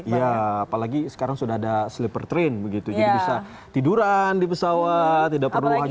ya apalagi sekarang sudah ada sleeper train jadi bisa tiduran di pesawat tidak perlu lagi duduk saja